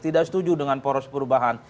tidak setuju dengan poros perubahan